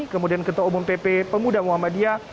kemudian ketua umum pp pemuda muhammadiyah